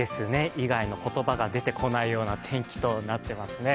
意外の言葉が出てこないような天気となっていますね。